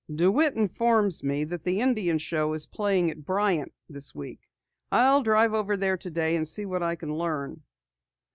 "DeWitt informs me that the Indian Show is playing at Bryan this week. I'll drive over there today and see what I can learn."